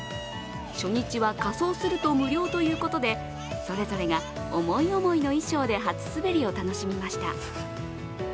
初日は仮装すると無料ということでそれぞれが思い思いの衣装で初滑りを楽しみました。